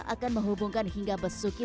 akan menghubungkan hingga besuki